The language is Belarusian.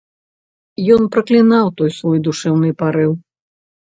Ён праклінаў той свой душэўны парыў.